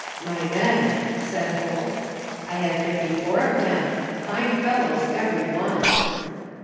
" My men," said Holt. I have fifty four of them, fine fellows every one."